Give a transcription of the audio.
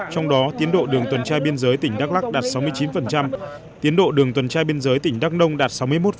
trong đó tiến độ đường tuần tra biên giới tỉnh đắk lắk đạt sáu mươi chín tiến độ đường tuần tra biên giới tỉnh đắk nông đạt sáu mươi một